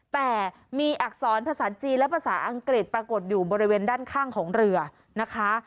แต่มีอักษรภาษาจีนและภาษาอังกฤษปรากฏอยู่บริเวณด้านข้างของเรือนะคะ